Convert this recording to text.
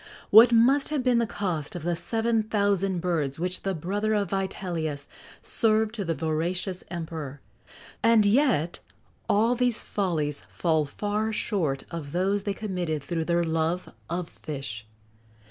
What must have been the cost of the seven thousand birds which the brother of Vitellius served to the voracious emperor![XX 96] And yet all these follies fall far short of those they committed through their love of fish.